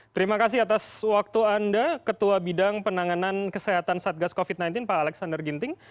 terima kasih atas waktu anda ketua bidang penanganan kesehatan satgas covid sembilan belas pak alexander ginting